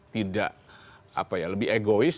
tidak apa ya lebih egois